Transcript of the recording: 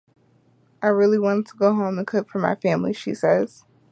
"I really wanted to go home and cook for my family," she says.